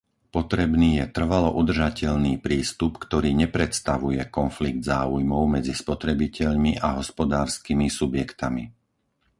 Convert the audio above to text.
Potrebný je trvalo udržateľný prístup, ktorý nepredstavuje konflikt záujmov medzi spotrebiteľmi a hospodárskymi subjektami.